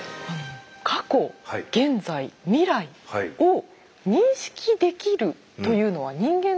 過去現在未来を認識できるというのは人間だけなんでしょうか？